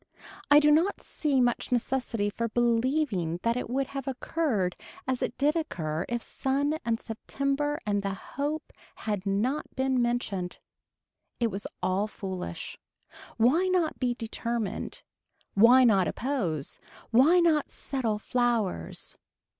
I do not see much necessity for believing that it would have occurred as it did occur if sun and September and the hope had not been mentioned. It was all foolish. Why not be determined. Why not oppose. Why not settle flowers.